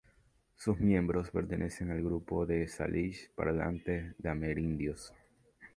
Sus miembros pertenecen al grupo de Salish-parlantes de amerindios.